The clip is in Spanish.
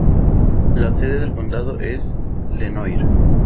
La sede del condado es Lenoir.